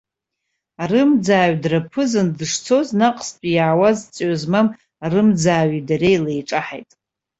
Арымӡааҩ драԥызан дышцоз, наҟстәи иаауаз, ҵҩа змам арымӡааҩи дареи леиҿаҳаит.